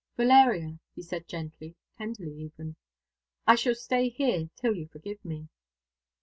"Valeria," he said gently, tenderly even, "I shall stay here till you forgive me."